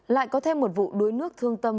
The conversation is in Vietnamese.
lại có thêm một vụ đối nước thương tâm